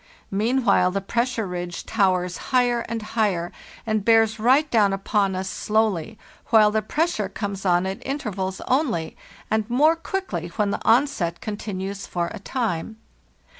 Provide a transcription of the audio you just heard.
Mean while the pressure ridge towers higher and higher and bears right down upon us slowly, while the pressure comes on at intervals only, and more quickly when the onset continues for a time.